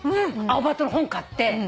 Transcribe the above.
アオバトの本買って。